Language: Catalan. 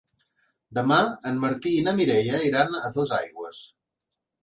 Demà en Martí i na Mireia iran a Dosaigües.